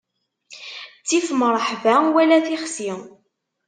Ttif mṛeḥba wala tixsi.